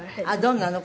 どんなの？